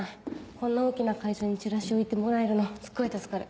こんな大きな会場にチラシ置いてもらえるのすごい助かる。